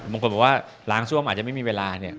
บางคนบอกว่าล้างซ่วมอาจจะไม่มีเวลาเนี่ย